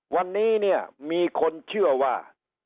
วันนี้เนี่ยมีคนเชื่อว่า